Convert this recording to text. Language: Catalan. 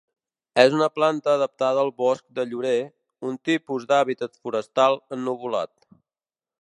És una planta adaptada al bosc de llorer, un tipus d'hàbitat forestal ennuvolat.